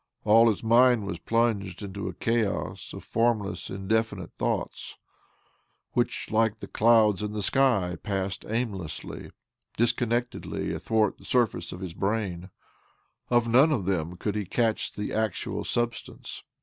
All his mind was plunged in a chaos of formless, indefinite thoughts which, like the clouds in the sky, passed aimlessly, dis connectedly athwart the surface of his brain. Of none of them could he catch the actual substance.